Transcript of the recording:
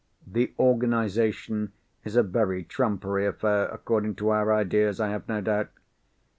The organisation is a very trumpery affair, according to our ideas, I have no doubt.